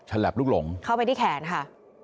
ฉลับลูกหลงเข้าไปที่แขนค่ะ